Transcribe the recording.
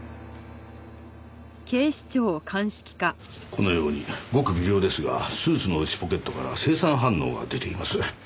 このようにごく微量ですがスーツの内ポケットから青酸反応が出ています。